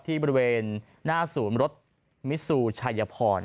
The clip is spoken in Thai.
บริเวณหน้าศูนย์รถมิซูชัยพร